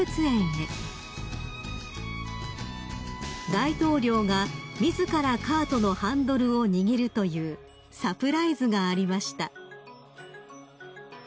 ［大統領が自らカートのハンドルを握るというサプライズがありました］